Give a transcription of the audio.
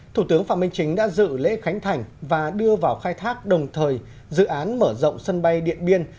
thủ tướng phạm minh chính đã dự lễ khánh thành và đưa vào khai thác đồng thời dự án mở rộng sân bay điện biên